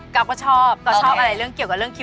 กลับก็ชอบชอบอะไรเรื่องเกี่ยวกับเรื่องคิ้ว